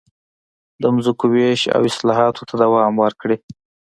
د ځمکو وېش او اصلاحاتو ته دوام ورکړي.